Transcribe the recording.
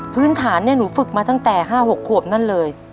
พื้นฐานหนูฝึกมาตั้งแต่๕๖ขวบนั่นเลย